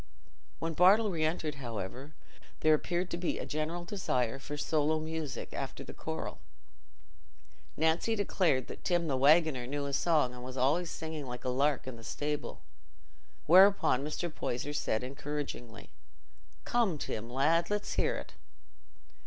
When Bartle re entered, however, there appeared to be a general desire for solo music after the choral. Nancy declared that Tim the waggoner knew a song and was "allays singing like a lark i' the stable," whereupon Mr. Poyser said encouragingly, "Come, Tim, lad, let's hear it."